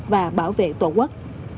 và bảo vệ tổ quốc